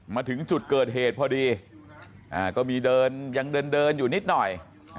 มาถึงจุดเกิดเหตุพอดีก็มีเดินยังเดินอยู่นิดหน่อย